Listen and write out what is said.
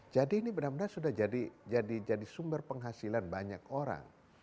jadi ini benar benar sudah jadi sumber penghasilan banyak orang